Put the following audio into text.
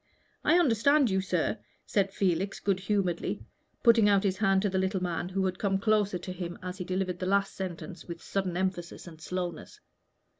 "I understand you, sir," said Felix, good humoredly, putting out his hand to the little man, who had come close to him as he delivered the last sentence with sudden emphasis and slowness.